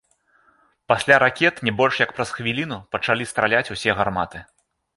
Пасля ракет не больш як праз хвіліну пачалі страляць усе гарматы.